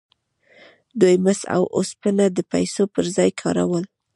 دوی مس او اوسپنه د پیسو پر ځای کارول.